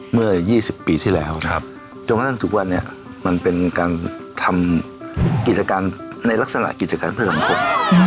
เมื่อ๒๐ปีที่แล้วจนกระทั่งทุกวันนี้มันเป็นการทำกิจการในลักษณะกิจการเพิ่มสังคม